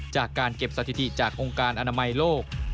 จากการเก็บสถิติจากองค์การอนามัยโลก